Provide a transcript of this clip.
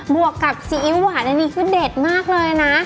วกกับซีอิ๊วหวานอันนี้คือเด็ดมากเลยนะ